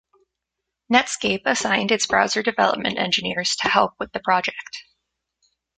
Netscape assigned its browser development engineers to help with the project.